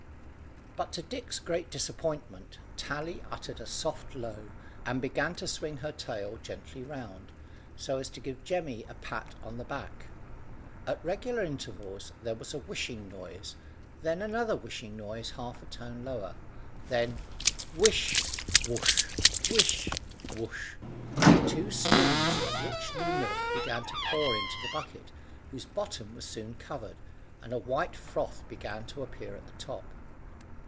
But, to Dick's great disappointment, Tally uttered a soft low, and began to swing her tail gently round, so as to give Jemmy a pat on the back. At regular intervals there was a whishing noise, then another whishing noise half a tone lower, then whish whosh whish whosh, two streams of rich new milk began to pour into the bucket, whose bottom was soon covered, and a white froth began to appear on the top.